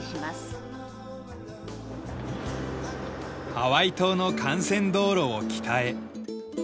ハワイ島の幹線道路を北へ。